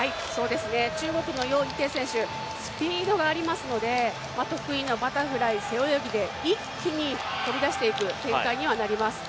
中国の余依テイ選手スピードがありますので得意のバタフライ、背泳ぎで一気に飛び出していく展開にはなります。